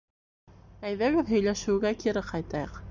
Әйҙәгеҙ һөйләшеүгә кире ҡайтайыҡ